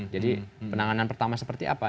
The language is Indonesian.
jadi penanganan pertama seperti apa